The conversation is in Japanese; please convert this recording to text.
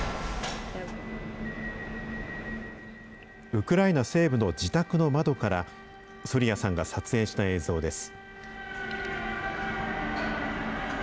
ウクライナ西部の自宅の窓から、ソリヤさんが撮影した映像です。